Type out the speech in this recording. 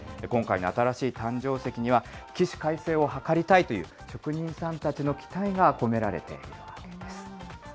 今回の新しい誕生石には、起死回生を図りたいという、職人さんたちの期待が込められているわけです。